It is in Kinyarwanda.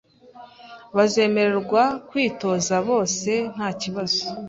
bazemererwa kwitoza bose ntakibazo